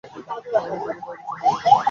আমাকে দেখিয়া তাঁহার বিচার করিও না।